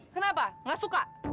kenapa nggak suka